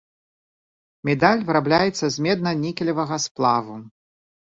Медаль вырабляецца з медна-нікелевага сплаву.